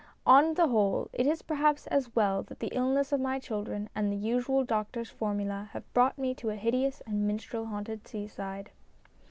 On the whole, it is perhaps as well that the illness of my children and the usual doctor's formula have brought me to a hideous and minstrel haunted seaside.